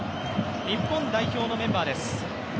日本代表のメンバーです。